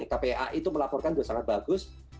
kpai itu melaporkan itu sangat bagus